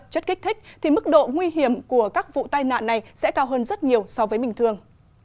chất kích thích thì mức độ nguy hiểm của các vụ tai nạn này sẽ cao hơn rất nhiều so với bình thường